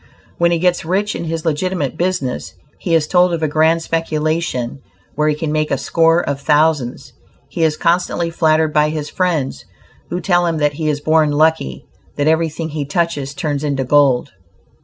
When he gets rich in his legitimate business, he is told of a grand speculation where he can make a score of thousands. He is constantly flattered by his friends, who tell him that he is born lucky, that everything he touches turns into gold.